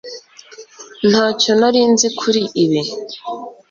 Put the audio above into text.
ntacyo nari nzi kuri ibi